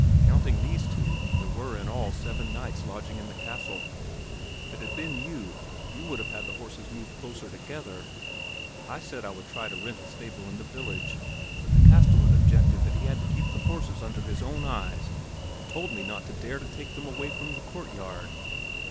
"Counting these two, there were, in all, seven knights lodging at the castle. If it had been you, you would have had the horses moved closer together. I said I would try to rent a stable in the village, but the castellan objected that he had to keep the horses under his own eyes and told me not to dare to take them away from the courtyard."